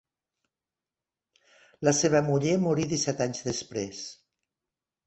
La seva muller morí disset anys després.